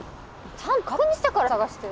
ちゃんと確認してから捜してよ。